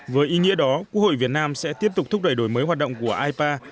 với ý nghĩa đó quốc hội việt nam sẽ tiếp tục thúc đẩy đổi mới hoạt động của ipa